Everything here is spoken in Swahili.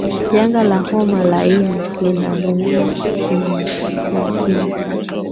janga la homa ya ini linaloua kimyakimya